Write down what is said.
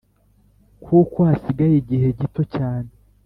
kuko hasigaye igihe gito cyane,